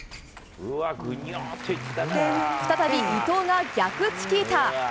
再び伊藤が逆チキータ。